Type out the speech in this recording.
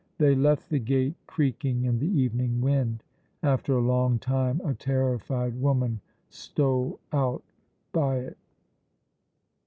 They left the gate creaking in the evening wind. After a long time a terrified woman stole out by it.